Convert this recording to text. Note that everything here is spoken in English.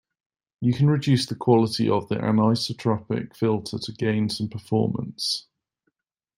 You can reduce the quality of the anisotropic filter to gain some performance.